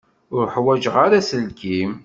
Ur ḥwajeɣ ara aselkim.